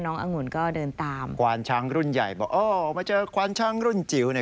อังุ่นก็เดินตามควานช้างรุ่นใหญ่บอกโอ้มาเจอควานช้างรุ่นจิ๋วเนี่ย